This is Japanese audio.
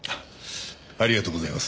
ありがとうございます。